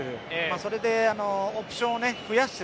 それで、オプションを増やす。